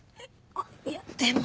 あっいやでも。